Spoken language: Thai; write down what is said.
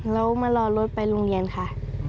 แล้วมารอรถไปโรงเรียนค่ะ